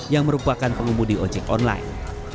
yang merupakan pengumum di ojek online